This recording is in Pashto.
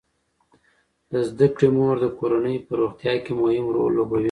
د زده کړې مور د کورنۍ په روغتیا کې مهم رول لوبوي.